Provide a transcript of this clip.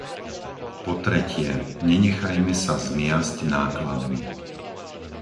Po tretie, nenechajme sa zmiasť nákladmi.